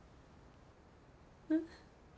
うん？